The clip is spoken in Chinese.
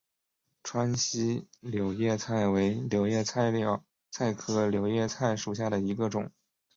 川西柳叶菜为柳叶菜科柳叶菜属下的一个种。